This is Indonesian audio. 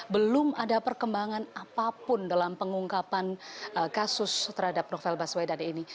belum ada perkembangan apapun dalam pengungkapan kasus terhadap novel baswedan ini